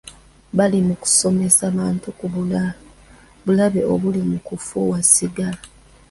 Bali mu kusomesa bantu ku bulabe obuli mu kufuuwa sigala.